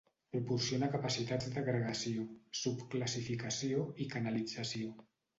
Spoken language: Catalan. Proporciona capacitats d'agregació, subclassificació i canalització.